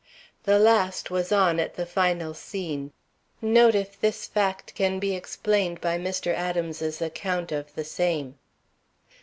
The last was on at the final scene. Note if this fact can be explained by Mr. Adams's account of the same.